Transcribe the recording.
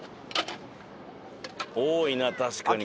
多いな確かに。